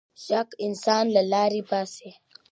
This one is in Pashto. شک انسان له لارې باسـي.